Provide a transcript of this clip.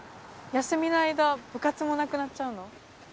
休みの間部活もなくなっちゃうの？